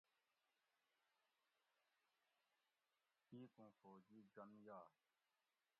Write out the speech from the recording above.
کِیک اُوں فوجی جن یائے